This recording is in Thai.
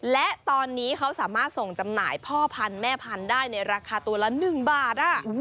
และตอนนี้เขาสามารถส่งจำหน่ายพ่อพันธุ์แม่พันธุ์ได้ในราคาตัวละ๑บาท